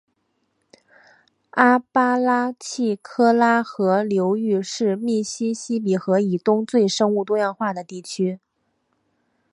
阿巴拉契科拉河流域是密西西比河以东最生物多样化的地区